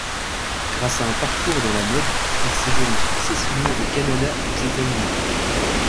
Grâce à un parcours dans la mode, il séjourne successivement au Canada, aux États-Unis.